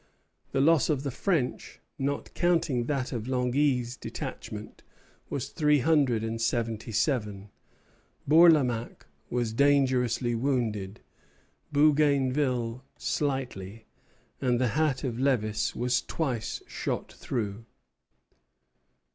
The loss of the French, not counting that of Langy's detachment, was three hundred and seventy seven. Bourlamaque was dangerously wounded; Bougainville slightly; and the hat of Lévis was twice shot through.